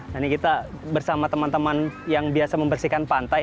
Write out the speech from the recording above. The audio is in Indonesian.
nah ini kita bersama teman teman yang biasa membersihkan pantai